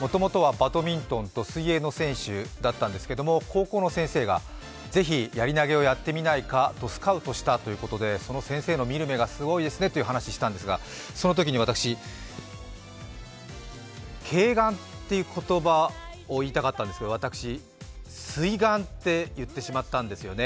もともとはバドミントンと水泳の選手だったんですけれども高校の先生がぜひ、やり投げをやってみないかとスカウトしたということで、その先生の見る目がすごいですねという話をしたんですが、そのときに私、慧眼という言葉を言いたかったんですが私、「すいがん」って言ってしまったんですよね。